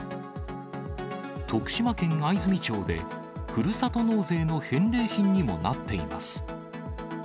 徳島県藍住町で、ふるさと納税の返礼品にもなっています。